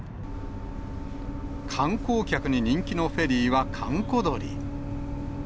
観光客に人気のフェリーは閑古鳥。